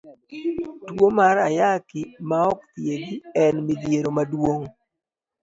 Tuo mar Ayaki ma ok thiedhi en midhiero maduong'.